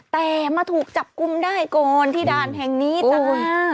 แต่มาถูกจับกุมได้ก่อนที่ด่านแห่งนี้จ้า